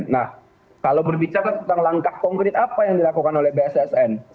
nah kalau berbicara tentang langkah konkret apa yang dilakukan oleh bssn